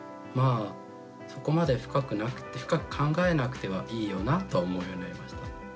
あそこまで深く考えなくてもいいよなとは思うようになりました。